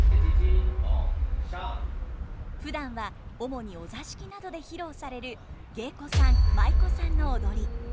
ふだんは主にお座敷などで披露される芸妓さん舞妓さんの踊り。